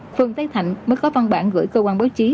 phương tây thạnh mới có văn bản gửi cơ quan báo chí